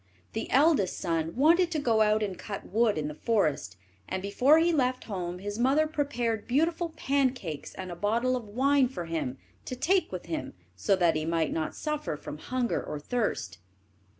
The eldest son wanted to go and cut wood in the forest, and before he left home his mother prepared beautiful pancakes and a bottle of wine for him to take with him, so that he might not suffer from hunger or thirst.